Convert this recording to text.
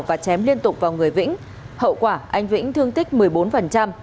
và chém liên tục vào người vĩnh hậu quả anh vĩnh thương tích một mươi bốn